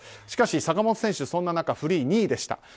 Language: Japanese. しかし、坂本選手そんな中フリー２位でした。